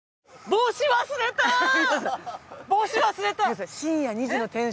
帽子忘れたんで。